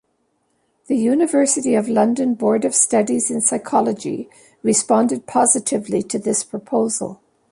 The University of London Board of Studies in Psychology responded positively to this proposal.